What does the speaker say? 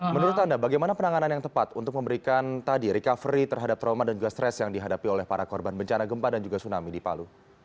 menurut anda bagaimana penanganan yang tepat untuk memberikan tadi recovery terhadap trauma dan juga stres yang dihadapi oleh para korban bencana gempa dan juga tsunami di palu